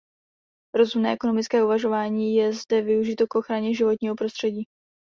Rozumné ekonomické uvažování je zde využito k ochraně životního prostředí.